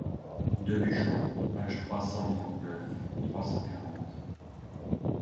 de Buchon, pages trois cent trente-neuf, trois cent quarante.